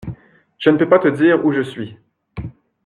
Je ne peux pas te dire où je suis.